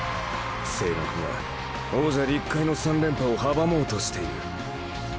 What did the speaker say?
青学が王者立海の三連覇を阻もうとしている。